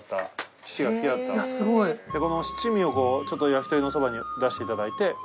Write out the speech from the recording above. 七味をちょっと焼き鳥のそばに出していただいて。